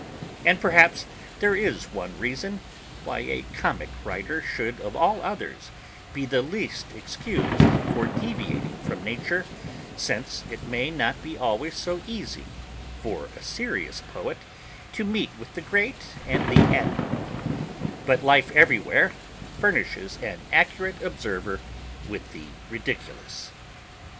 And perhaps there is one reason why a comic writer should of all others be the least excused for deviating from nature, since it may not be always so easy for a serious poet to meet with the great and the admirable; but life everywhere furnishes an accurate observer with the ridiculous.